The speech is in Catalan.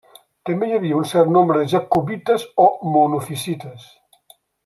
També hi havia un cert nombre de jacobites o monofisites.